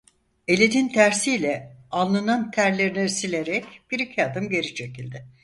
Elinin tersiyle alnının terlerini silerek bir iki adım geri çekildi.